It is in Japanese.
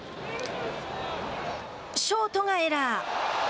ショートがエラー。